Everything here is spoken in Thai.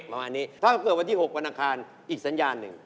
ประมาณนี้ถ้าเกิดวันที่๖วันอังคารอีกสัญญาณหนึ่ง